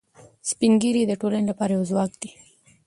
سپین ږیری د ټولنې لپاره یو ځواک دي